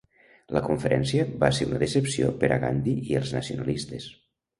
La conferència va ser una decepció per a Gandhi i els nacionalistes.